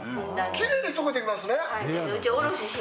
きれいにとけていきますね。